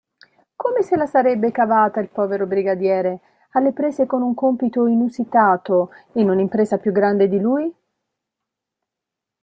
Come se la sarebbe cavata il povero brigadiere, alle prese con un compito inusitato, in un'impresa più grande di lui?